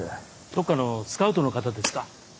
どっかのスカウトの方ですか？